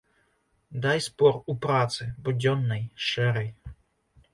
Дай спор у працы будзённай, шэрай.